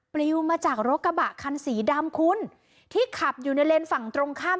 ปลิวมาจากรถกระบะคันสีดำคุณที่ขับอยู่ในเลนส์ฝั่งตรงข้าม